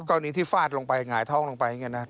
กรณีที่ฟาดลงไปหงายท้องลงไปอย่างนี้นะ